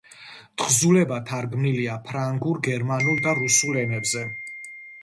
თხზულება თარგმნილია ფრანგულ, გერმანულ და რუსულ ენებზე.